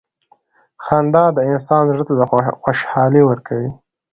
• خندا د انسان زړۀ ته خوشحالي ورکوي.